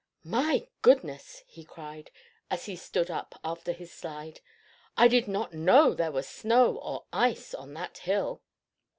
"My goodness!" he cried, as he stood up after his slide. "I did not know there was snow or ice on that hill."